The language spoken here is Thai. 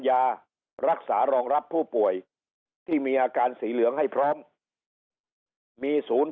ยารักษารองรับผู้ป่วยที่มีอาการสีเหลืองให้พร้อมมีศูนย์